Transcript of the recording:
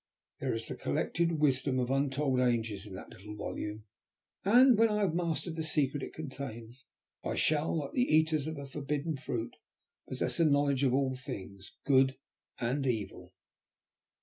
There is the collected wisdom of untold ages in that little volume, and when I have mastered the secret it contains, I shall, like the eaters of the forbidden fruit, possess a knowledge of all things, Good and Evil."